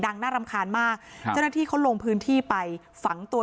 น่ารำคาญมากครับเจ้าหน้าที่เขาลงพื้นที่ไปฝังตัว